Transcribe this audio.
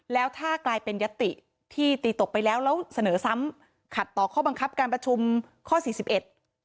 แล้วถ้ากลายเป็นยติที่ตีตกไปแล้วแล้วเสนอซ้ำขัดต่อข้อบังคับการประชุมข้อสี่สิบเอ็ด